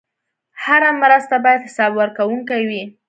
هره مرسته باید حسابورکونکې وي.